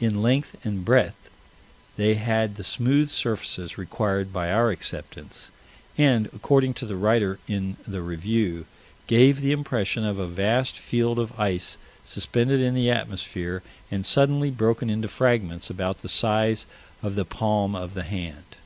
In length and breadth they had the smooth surfaces required by our acceptance: and, according to the writer in the Review, "gave the impression of a vast field of ice suspended in the atmosphere, and suddenly broken into fragments about the size of the palm of the hand."